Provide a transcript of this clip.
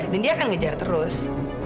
dan dia akan ngejar terus